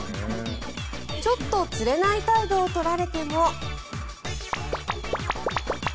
ちょっとつれない態度を取られても。